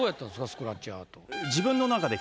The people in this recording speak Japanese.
スクラッチアート。